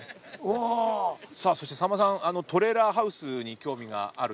さあそしてさんまさんトレーラーハウスに興味があると。